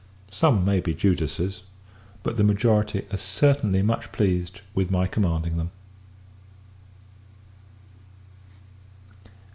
Some may be Judas's; but the majority are certainly much pleased with my commanding them.